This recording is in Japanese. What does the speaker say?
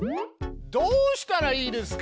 どうしたらいいですか！